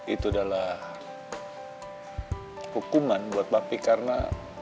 itu adalah hukuman buat bapi karena